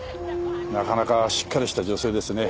なかなかしっかりした女性ですね。